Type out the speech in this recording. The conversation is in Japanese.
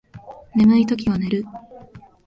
眠いときは寝る